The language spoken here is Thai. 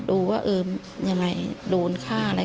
ดูว่าเออยังไงโดนฆ่าอะไร